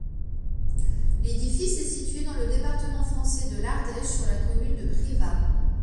L'édifice est situé dans le département français de l'Ardèche, sur la commune de Privas.